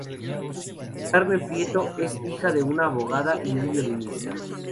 Carmen Prieto es hija de una abogada y un violinista.